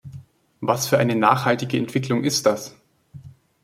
Was für eine nachhaltige Entwicklung ist das?